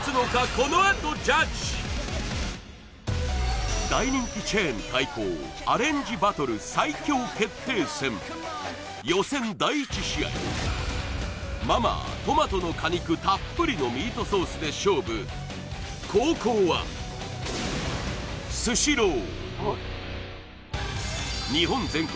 このあとジャッジ大人気チェーン対抗アレンジバトル最強決定戦予選第１試合マ・マートマトの果肉たっぷりのミートソースで勝負後攻はスシロー